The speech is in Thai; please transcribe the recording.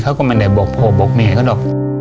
เขาก็ไม่ได้บอกพ่อบอกแม่เขาหรอก